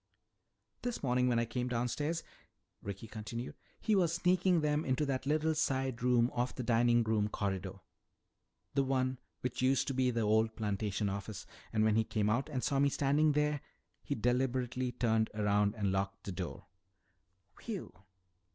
"This morning when I came downstairs," Ricky continued, "he was sneaking them into that little side room off the dining room corridor, the one which used to be the old plantation office. And when he came out and saw me standing there, he deliberately turned around and locked the door!" "Whew!"